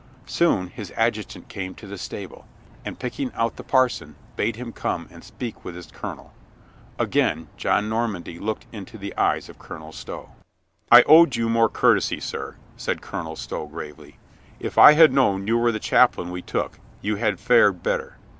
Soon his adjutant came to the stable, and picking out the parson, bade him come and speak with his colonel. Again John Normandy looked into the eyes of Colonel Stow. "I owed you more courtesy, sir," said Colonel Stow gravely. "If I had known you were the chap lain we took, you had fared better."